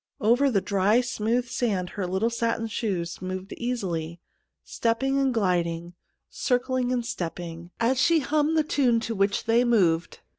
Over the dry, smooth sand her little satin shoes moved easily, step ping and gliding, circling and step ping, as she hummed the tune to which they moved.